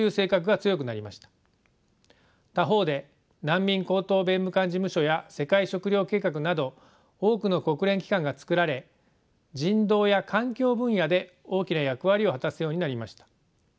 他方で難民高等弁務官事務所や世界食糧計画など多くの国連機関が作られ人道や環境分野で大きな役割を果たすようになりました。